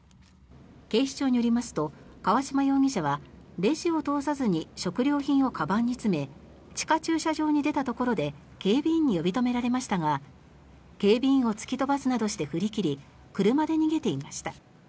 警視庁によりますと川嶋容疑者はレジを通さずに食料品をかばんに詰め地下駐車場に出たところで警備員に呼び止められましたが警備員を突き飛ばすなどして振り切り、車で逃げていました。